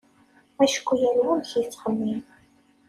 Acku yal wa amek yettxemmim.